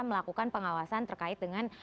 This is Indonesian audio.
melakukan pengawasan terkait dengan